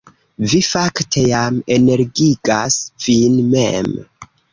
Vi fakte jam energigas vin mem